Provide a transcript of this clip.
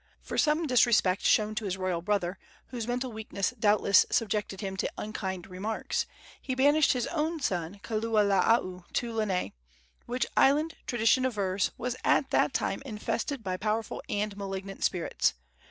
For some disrespect shown to his royal brother, whose mental weakness doubtless subjected him to unkind remarks, he banished his son Kaululaau to Lanai, which island, tradition avers, was at that time infested by powerful and malignant spirits.